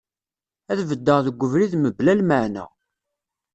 Ad beddeɣ deg ubrid mebla lmaɛna.